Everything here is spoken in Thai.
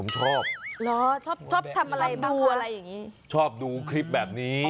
ชอบเหรอชอบชอบทำอะไรดูอะไรอย่างนี้ชอบดูคลิปแบบนี้